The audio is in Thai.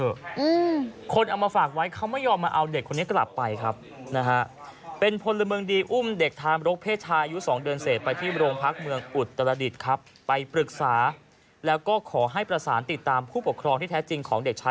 อืมคนเอามาฝากไว้เขาไม่ยอมมาเอาเด็กคนนี้กลับไปครับนะฮะ